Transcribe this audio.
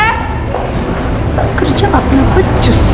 tak kerja tapi yang becus